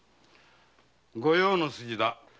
御用の筋だ。